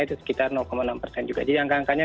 itu sekitar enam persen juga jadi angka angkanya